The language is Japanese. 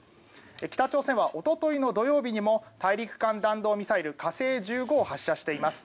北朝鮮はおとといの土曜日にも大陸間弾道ミサイル火星１５を発射しています。